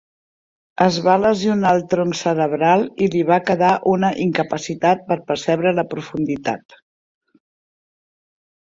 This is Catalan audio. Es va lesionar el tronc cerebral i li va quedar una incapacitat per percebre la profunditat.